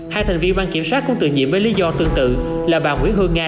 hai thành viên ban kiểm soát cũng tự nhiệm với lý do tương tự là bà nguyễn hương nga